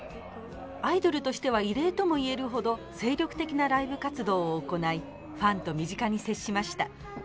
アイドルとしては異例とも言えるほど精力的なライブ活動を行いファンと身近に接しました。